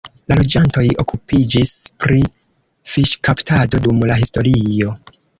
La loĝantoj okupiĝis pri fiŝkaptado dum la historio.